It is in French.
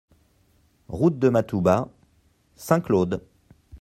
Route de Matouba, Saint-Claude